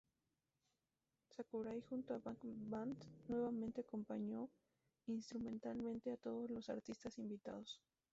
Sakurai junto a Bank Band nuevamente acompañó instrumentalmente a todos los artistas invitados.